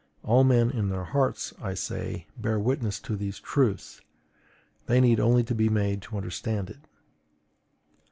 All men in their hearts, I say, bear witness to these truths; they need only to be made to understand it.